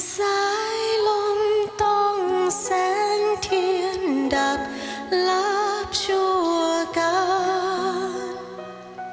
สายลมต้องแสงเทียนดักรับชั่วกัน